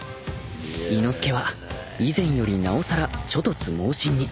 ［伊之助は以前よりなおさら猪突猛進に］